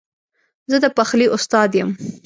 زه د پخلي استاد یم